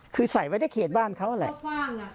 คือใส่ไว้ในเขตบ้านเขาอะไร